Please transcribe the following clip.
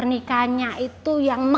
tidak ada apa apa